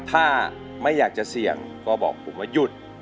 ถ้าไม่อยากจะเสี่ยงก็บอกผมว่าหยุด